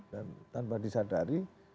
dan tanpa disadari